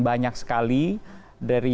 banyak sekali dari